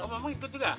oh mak ikut juga